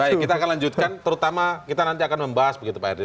terus kita lanjutkan terutama kita nanti akan membahas begitu pak herdy